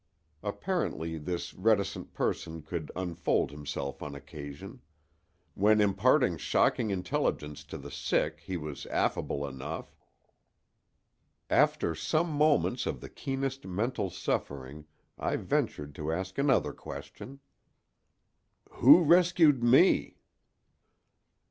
Apparently this reticent person could unfold himself on occasion. When imparting shocking intelligence to the sick he was affable enough. After some moments of the keenest mental suffering I ventured to ask another question: "Who rescued me?"